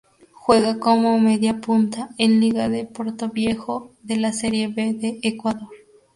Juega como mediapunta en Liga de Portoviejo de la Serie B de Ecuador.